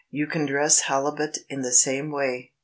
You can dress halibut in the same way.